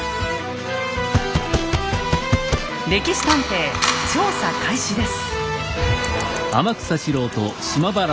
「歴史探偵」調査開始です。